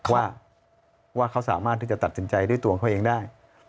ว่าเขาสามารถที่จะตัดสินใจด้วยตัวของเขาเองได้